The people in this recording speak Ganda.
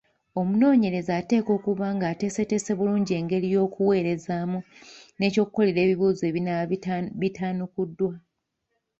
Omunoonyereza ateekwa okuba ng’ateeseteese bulungi engeri y’okuweerezaamu n’ekyokukolera ebibuuzo ebinaaba bitaanukuddwa.